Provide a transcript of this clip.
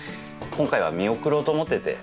今回は見送ろうと思ってて。